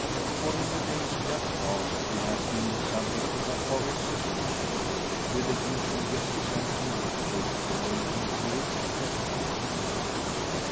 For in the days just past he has been the subject of a horrid suspicion, with the usual guesses and conjectures relating to it and him.